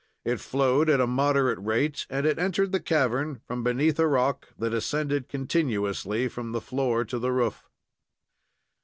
It flowed at a moderate rate, and it entered the cavern from beneath a rock that ascended continuously from the floor to the roof.